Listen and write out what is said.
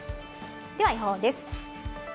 では予報です。